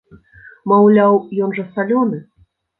Маўляў, ён жа салёны!